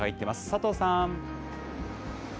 佐藤さん。